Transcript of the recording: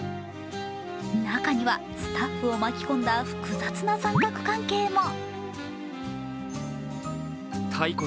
中にはスタッフを巻き込んだ複雑な三角関係も。